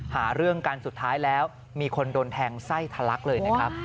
หาเรื่องกันสุดท้ายแล้วมีคนโดนแทงไส้ทะลักเลยนะครับ